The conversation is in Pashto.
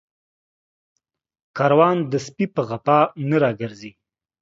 کاروان د سپي په غپا نه راگرځي